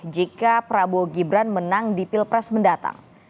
jika prabowo gibran menang di pilpres mendatang